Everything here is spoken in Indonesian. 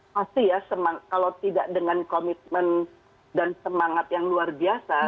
pasti ya kalau tidak dengan komitmen dan semangat yang luar biasa